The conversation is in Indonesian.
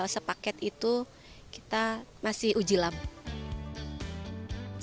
sepaket itu kita masih uji lama